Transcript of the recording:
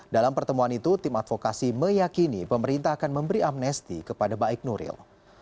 dalam pertemuan itu tim advokasi meyakini pemerintah akan memberi amnesti kepada baik nuril